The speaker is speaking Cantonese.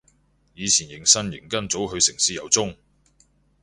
以前迎新營跟組去城市遊蹤